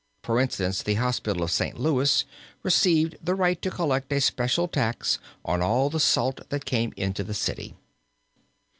For instance the Hospital of St. Louis received the right to collect a special tax on all the salt that came into the city.